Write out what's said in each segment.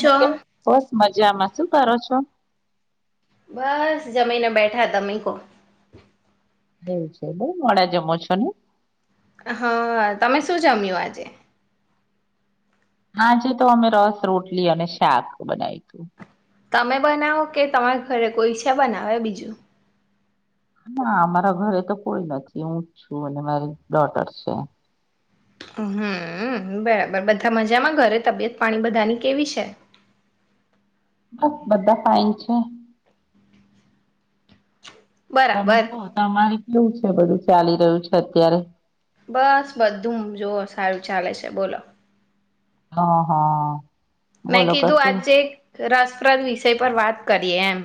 છો બસ. મજામાં શું કરો છો? બસ જમીને બેઠા, તમે કો? હું છે, બાઈ, મોડા જમો છો ને? હા, તમે શું જમ્યું આજે? હાજ તો અમે રસ, રોટલી અને શાક બનાવ્યું તું. તમે બનાવો, કે તમારા ઘરે કોઈ છે, બનાવે બીજું? હા, અમારા ઘરે તો કોઈ નથી, હું જ છું અને મારી ડોટર છે. હમ, બરાબર. બધા મજામાં ઘરે? તબિયત, પાણી, બધાની કેવી છે? બસ, બધા ફાઇન છે. તમે બરાબર કહો, તમારી? એવું છે, બધું ચાલી રહ્યું છે અત્યારે. બસ, બધું જોવ સારું ચાલે છે, બોલો. હા, હા. મેં બોલો કીધું, કશું આજે રસપ્રદ વિષય પર વાત. કરીએ એમ.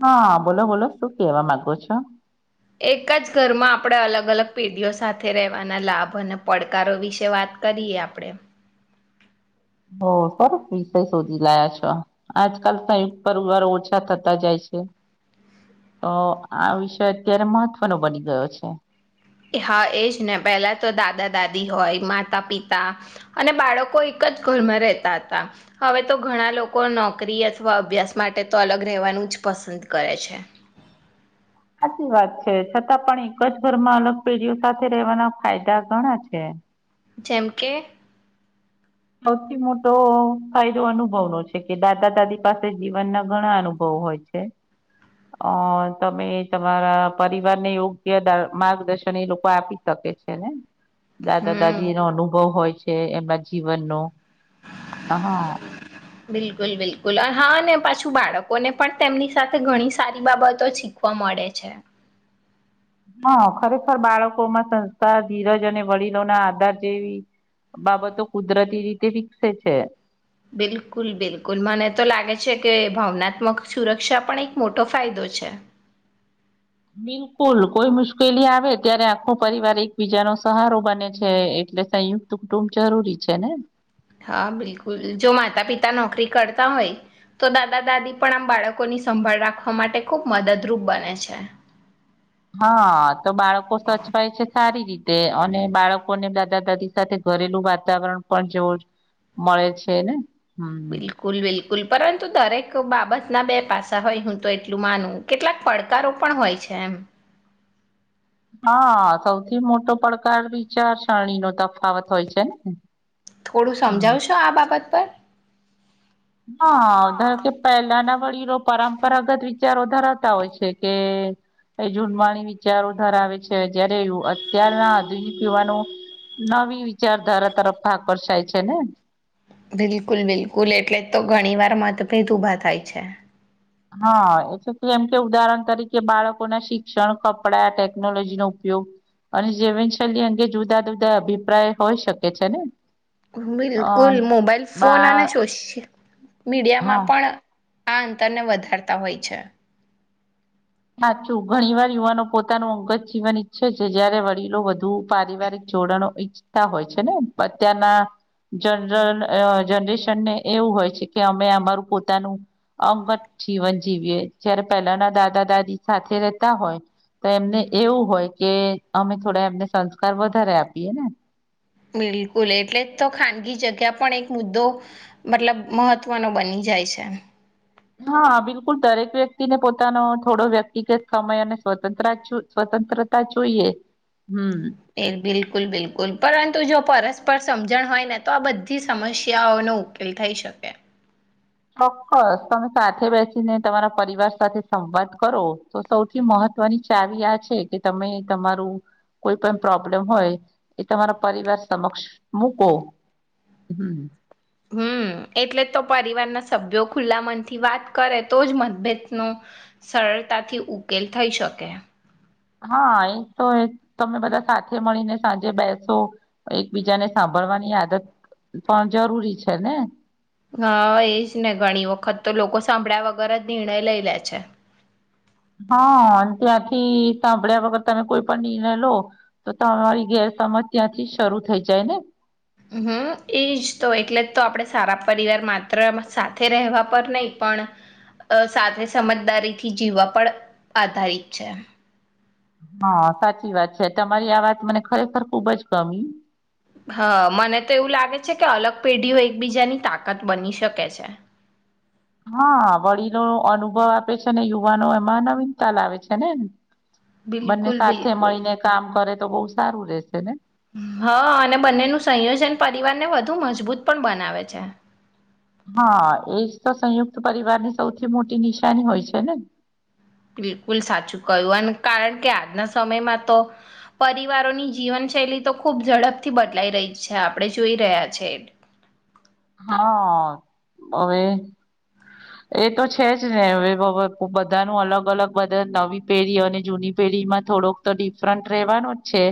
હા, બોલો બોલો, શું કેવા માંગો છો? એક જ ઘરમાં, આપણે અલગ અલગ પેઢીઓ સાથે રહેવાના લાભ અને પડકારો વિશે વાત કરીએ, આપણે? હ, સરસ વિષય શોધી લાયા છો. આજકાલ સંયુક્ત પરિવાર ઓછા થતા જાય છે, તો આ વિષય અત્યારે મહત્વનોો બની ગયો છે. હા, એજ ને. પહેલા તો દાદા-દાદી હોય, માતા-પિતા અને બાળકો એક જ ઘરમાં રહેતા હતા. હવે તો ઘણા લોકો નોકરી અથવા અભ્યાસ માટે, તો અલગ રહેવાનું જ પસંદ કરે છે. સાચી વાત છે. છતાં પણ, એક જ ઘરમાં અલગ પેઢીઓ સાથે રહેવાના ફાયદા ઘણા છે. જેમકે. સૌથી મોટો ફાયદો અનુભવનો છે, કે દાદા-દાદી પાસે જીવન ના ઘણા અનુભવ હોય છે. અ તમે તમારા પરિવારને યોગ્ય માર્ગદર્શન એ લોકો આપી શકે છે, ને? હમ દાદા-દાદી ઓનો અનુભવ હોય છે. એ બાજુ. કવનો હા. બિલકુલ, બિલકુલ. હા, પાછું બાળકોને પણ તેમની સાથે ઘણી સારી બાબતો શીખવા મળે છે. હા, ખરેખર, બાળકોમાં સંસ્થા, ધીરજ અને વડીલો ના આધાર જેવી બાબતો કુદરતી રીતે વિકસે છે. બિલકુલ, બિલકુલ. મને તો લાગે છે કે ભાવનાત્મક સુરક્ષા પણ એક મોટો ફાયદો છે. બિલકુલ, કોઈ મુશ્કેલી આવે ત્યારે આખો પરિવાર એકબીજાનો સહારો બને છે, એટલે સંયુક્ત કુટુંબ જરૂરી છે ને? હા, બિલકુલ. જો માતા-પિતા નોકરી કરતા હોય, તો દાદા- દાદી પણ આમ બાળકોની સંભાળ રાખવા માટે ખૂબ મદદરૂપ બને છે. હા, તો બાળકો સચવાઈ છે સારી રીતે. તે, અને બાળકોને દાદા-દાદી સાથે ઘરેલું વાતાવરણ પણ જોવું મળે છે, ને? હમ બિલકુલ, બિલકુલ. પરંતુ, દરેક બાબતના બે પાસા હોય. હું તો એટલું માનું, કેટલાક પડકારો પણ હોય છે એમ. હા, સૌથી મોટો પડકાર વિચારસરણી નો તફાવત હોય છે, ને? થોડું હમ સમજાવશો આ બાબત પર? હા, ઓકે. પહેલા ના વડીલો પરંપરાગત વિચારો ધરાતા હોય છે કે એ જૂથવાણી વિચારો ધરાવે છે, જયારે અત્યારના આધુનિક યુવાનો નવી વિચારધારા તરફ ભાગ વર્સાય છે ને. બિલકુલ, બિલકુલ. એટલે જ તો ઘણી વાર મતભેદ ઉભા થાય છે. હા, એટલે કેમ કે ઉદાહરણ તરીકે બાળકો ના શિક્ષણ, કપડા, ટેકનોલોજીનો ઉપયોગ અને જીવનશૈલી અંગે જુદા જુદા અભિપ્રાય હોઈ શકે છે ને. અ બિલકુલ, મોબાઈલ ફોન બા અને સોશ હા મીડિયામાં પણ. આ અંતરને વધારતા હોય છે. સાચું, ઘણી વાર યુવાનો પોતાનું અંગત જીવન ઈચ્છે છે, જયારે વડીલો વધુ પારિવારિક જોડાણો ઈચ્છતા હોય છે ને. અત્યારના જનર જનરેશનને એવું હોય છે કે, અમે અમારું પોતાનું અંગત જીવન જીવીએ, જ્યારે પહેલાના દાદા-દાદી. સાથે રહેતા હોય, તો એમને એવું હોય કે, અમે થોડા એમને સંસ્કાર વધારે આપીએ ને. બિલકુલ એટલે તો ખાનગી જગ્યા પણ એક મુદ્દો મતલબ મહત્વનો બની જાય છે હા બિલકુલ દરેક વ્યક્તિને પોતાનો થોડો વ્યક્તિગત સમય અને સ્વતંત્ર સ્વતંત્રતા જોઈએ હમ એ બિલકુલ બિલકુલ પરંતુ જો પરસ્પ પર સમજણ હોય ને તો આ બધી સમસ્યાઓનોો ઉકેલ થઈ શકે ચોક્કસ તમે સાથે બેસીને તમારા પરિવાર સાથે સંવાદ કરો તો સૌથી મહત્વની ચાવી આ છે કે તમે તમારું કોઈ પણ પ્રોબ્લેમ હોય એ તમારા પરિવાર સમક્ષ મૂકો હમ હમ એટલે જ તો પરિવારના સભ્યો ખુલ્લા મનથી વાત કરે તો જ મતભેદનો સરળતાથી ઉકેલ થઈ શકે હા એ તો તમે બધા સાથે મળીને સાંજે બેસો એકબીજાને સાંભળવાની આદત પણ જરૂરી છે ને હા એજ ને ઘણી વખત તો લોકો સાંભળ્યા વગર જ નિર્ણય લઈ લે છે હા અને ત્યાંથી સાંભળ્યા વગર તમે કોઈ પણ નિર્ણય લો તો તમારી ગેરસમજ ત્યાંથી શરૂ થઈ જાય ને હમ એજ તો એટલે જ તો આપણે સારા પરિવાર માત્ર સાથે રહેવા પર નહી પણ સાથે સમજદારીથી જીવવા પર આધારિત છે હા સાચી વાત છે તમારી આ વાત મને ખરેખર ખુબ જ ગમી હા મને તો એવું લાગે છે કે અલગ પેઢીઓ એકબીજાની તાકાત બની શકે છે હા વડીલો અનુભવ આપે છે ને યુવાનો એમાં નવીનતા લાવે છે ને બંને બિલકુલ સાથે બિલકુલ મળીને કામ કરે તો બહ સારું રહેશે ને હા અને બંનેનું સંયોજન પરિવારને વધુ મજબૂત પણ બનાવે છે હા એ તો સંયુક્ત પરિવાર ની સૌથી મોટી નિશાની હોય છે ને બિલકુલ સાચું કય્યું અને કારણ કે આજના સમયમાં તો પરિવારોની જીવનશૈલી તો ખૂબ ઝડપથી બદલાઈ રહી છે આપણે જોઈ રહ્યા છે હા હવે એ તો છે જ ને હવે બધાનું અલગ અલગ બધ નવી પેઢી અને જૂની પેઢીમાં થોડોક તો ડિફરન્ટ રેવાનું જ છે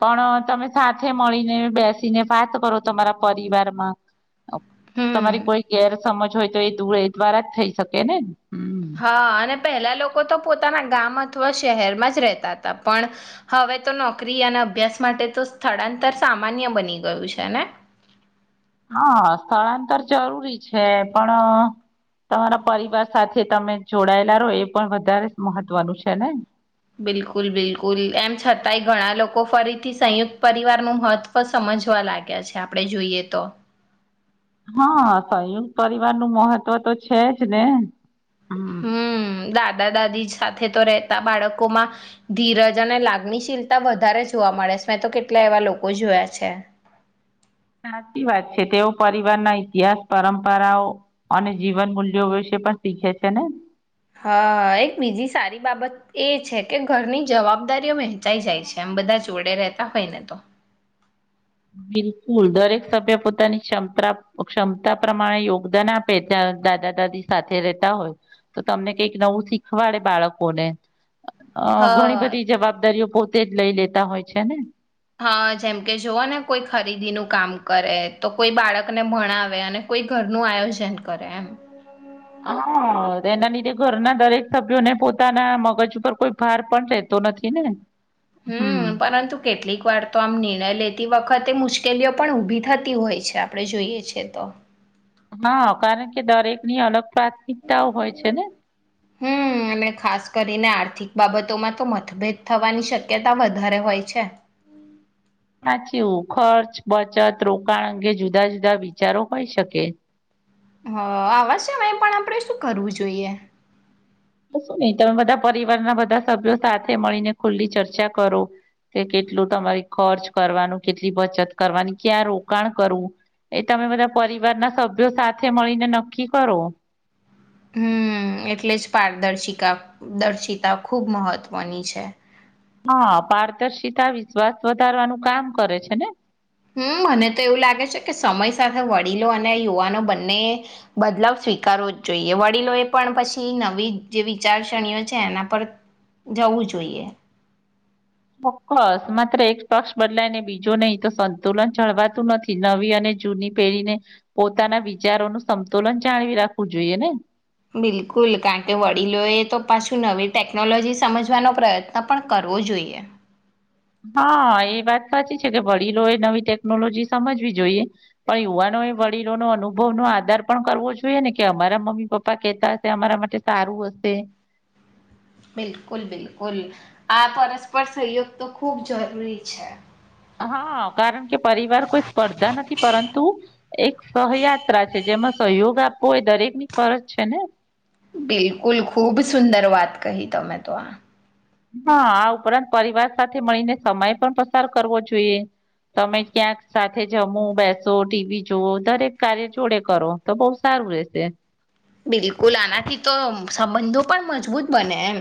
પણ તમે સાથે મળીને બેસીને વાત કરો તમારા પરિવારમાં હમ તમારી કોઈ ગેર સમજ હોય તો એ દૂ દ્વારા જ થઈ શકે ને હમ હા અને પેલા લોકો તો પોતાના ગામ જ અ શહેરમાં જ રહેતા હતા પણ હવે તો નોકરી અને અભ્યાસ માટે તો સ્થળાંતર સામાન્ય બની ગયું છે ને હા સ્થળાંતર જરૂરી છે પણ તમારા પરિવાર સાથે તમે જોડાયેલા રહો એ પણ વધારે મહત્વનું છે ને બિલકુલ બિલકુલ એમ છતાંય ઘણા લોકો ફરીથી સંયુક્ત પરિવારનું મહત્વ સમજવા લાગ્યા છે આપણે જોઈએ તો હા સંયુક્ત પરિવાર નું મહત્વ તો છે જ ને હમ દા દાદા દાદી સાથે તો રહેતા બાળકોમાં ધીરજ અને લાગણીશીલતા વધારે જોવા મળે છે મેં તો કેટલા એવા લોકો જોયા છે સાચી વાત છે તેઓ પરિવારના ઇતિહાસ પરંપરાઓ અને જીવન મૂલ્યો વિશે પણ શીખે છે ને હા એક બીજી સારી બાબત એ છે કે ઘરની જવાબદારીઓ વહેંચાઈ જાય છે એમ બધા જોડે રહેતા હોયને તો બિલકુલ દરેક સભ્ય પોતાની ક્ષમતા ક્ષમતા પ્રમાણે યોગદાન આપે ત્યાં દાદા દાદી સાથે રહેેતા હોય તો તમને કઈક નવું શીખવાડે બાળકોને અ ઘણી હા બધી જવાબદારીઓ પો તે જ લઈ લેતા હોય છે ને હા જેમ કે જોવ ને કોઈ ખરીદીનુંું કામ કરે તો કોઈ બાળકને ભણાવે અને કોઈ ઘરનું આયોજન કરે એમ હા એના લીધે ઘરના દરેક સભ્યોને પોતાના મગજ ઉપર કોઈ ભાર પણ રહેેતો નથી ને હમ પરંતુ કેટલીક વાર તો આમ નિર્ણય લેતી વખત તે મુશ્કેલીઓ પણ ઉઊભી થતી હોય છે આપણે જોઈએ છે તો હા કારણ કે દરેક ની અલગ પ્રાથમિકતાઓ હોય છે ને હમ અને ખાસ આર્થિક બાબતોમાં તો મતભેદ થવાની શક્યતા વધારે હોય છે સાચીવું ખર્ચ બચત રોકાણ અંગે જુદા જુદા વિચારો હોય શકે હ આવવા છે પણ આપણે શું કરવું જોઈએ તો શું નહી તમે બધા પરિવારના બધા સભ્યો સાથે મળીને ખુલ્લી ચર્ચા કરો કે કેટલું તમારી ખર્ચ કરવાનું કેટલી બચત કરવાની ક્યાં રોકાણ કરવું એ તમે બધા પરિવારના સભ્યો સાથે મળીને નક્કી કરો. હમ એટલે જ પારદર્શિકા દર્શિતા ખૂબ મહત્વની છે. હા પારદર્શિતા વિશ્વાસ વધારવાનું કામ કરે છે ને. હમ મને તો એવું લાગે છે કે સમય સાથે વડીલો અને યુવાનો બંને બદલાવ સ્વીકારવો જ જોઈએ વડીલો એ પણ પછી નવી જે વિચારસરણીઓ છે એના પર જવું જોઈએ. ચોક્કસ માત્ર એક પક્ષ બદલાય ને બીજો નહી તો સંતુલન જળવાતું નથી નવી અને જૂની પેઢીને પોતાના વિચારોનુંું સંતુલન જાળવી રાખવું જોઈએ ને. બિલકુલ કારણ કે વડીલોએ તો પાછું નવી ટેકનોલોજી સમજવાનો પ્રયત્ન પણ કરવો જોઈએ. હા એ વાત સાચી છે કે વડીલો એ નવી ટેકનોલોજી સમજવી જોઈએ પણ યુવાનો એ વડીલો ન અનુભવ નો આધાર પણ કરવો જોઈએ ને કે અમારા મમ્મી પપ્પા કેતા હશે અમારા માટે સારું હશે. બિલકુલ બિલકુલ આ પરસ્પર સહયોગ તો ખૂબ જરૂરી છે. હા કારણ કે પરિવાર કોઈ સ્પર્ધા નથી પરંતુ એક સહયાત્રા છે જેમાં સહયોગ આપવો હોય દરેક ની ફરજ છે ને. બિલકુલ ખુબ સુંદર વાત કહી તમે તો આ. હા આ ઉપરાંત પરિવાર સાથે મળીને સમય પણ પસાર કરવો જોઈએ તમે ક્યાંક સાથે જમો બેસો ટીવી જોવો દરેક કાર્ય જોડે કરો તો બહુ સારું રશે. બિલકુલ આનાથી તો સંબંધો પણ મજબૂત બને એમ.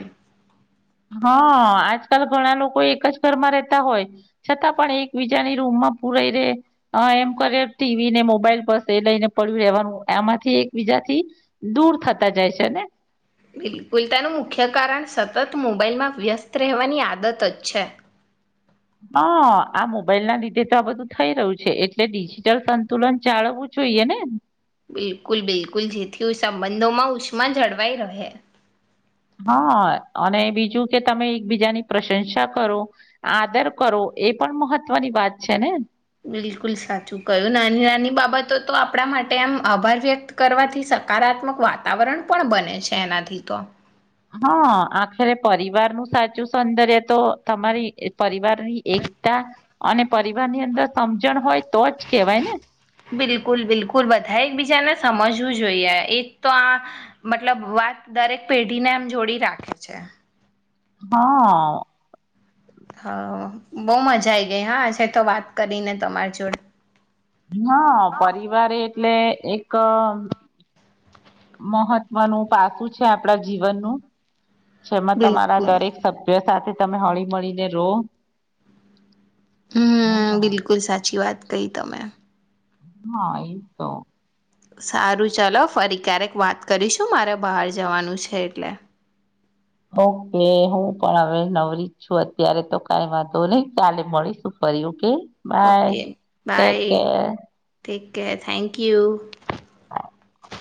હા આજકાલ ઘણા લોકો એક જ ઘરમાં રહેતા હોય છતાં પણ એકબીજાની રૂમમાં પૂરાઈ રે એમ કરે ટીવી ને મોબાઈલ પરસે એ લઈને પડ્યું રેવાનું આમાંથી એકબીજા થી દૂર થતા જાય છે ને. બિલકુલ તેનું મુખ્ય કારણ સતત મોબાાઈલમાં વ્યસ્ત રહેવાની આદત જ છે. હા આ મોબાઈલ ના લીધે તો આ બધું થઈ રહ્યું છે એટલે ડિજિટલ સંતુલન ચાલવું જોઈએ ને. બિલકુલ બિલકુલ જેથી સંબંધોમાં ઉષ્મા જળવાઈ રહે. હા અને બીજું કે તમે એકબીજાની પ્રશંસા કરો આદર કરો એ પણ મહત્વની વાત છે ને. બિલકુલ સાચું કયું નાની નાની બાબતો તો આપણા માટે એમ આભાર વ્યક્ત કરવાથી સકારાત્મક વાતાવરણ પણ બને છે એનાથી તો. હા આખરે પરિવાર નું સાચું સૌંદર્ય તો તમારી પરિવારની એકતા અને પરિવાર ની અંદર સમજણ હોય તો જ કેહેવાય ને બિલકુલ બિલકુલ બધ એક બીજાના સમજવું જોઈએ એક તો આ મતલબ વાત દરેક પેઢીને એમ જોડી રાખે છે. હા હા. હ બહ મજા આઈ ગઈ હા છે તો વાત કરીને તમાર જોડે. હ પરવારે એ એટલે એક મહત્વનું પાસું છે આપણા જીવનનું. જેમાં તમારા બિલકુલ. દરેક સભ્ય સાથે. તમે હળી મળળીને રો હમ બિલકુલ સાચી વાત કઈ તમે. હા એ તો સારું ચાલો ફરી ક્યારેક વાત કરીશું મારે બહાર જવાનું છે એટલે. ઓકે હું પણ હવે નવરી જ છું અત્યારે તો કઈ વાંધ નઈ ચાલે મળીશું ફર્યું કે. Bye okay take care. Okay thank you. [inaudible]